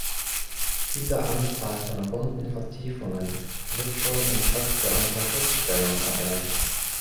Diese Anzahl von runden Vertiefungen wird schon im Text der Unterschutzstellung erwähnt.